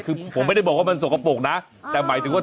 คือผมไม่ได้บอกว่ามันสกปรกนะแต่หมายถึงว่า